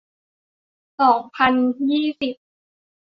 สองพันยี่สิบ